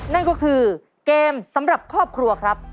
นั่นก็คือเกมสำหรับครอบครัวครับ